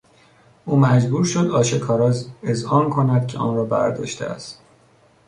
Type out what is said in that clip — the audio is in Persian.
او مجبور شد آشکارا اذعان کند که آنرا برداشته است.